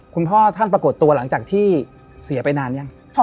คุณพ่อท่านปรากฏตัวหลังจากที่เสียไปนานยัง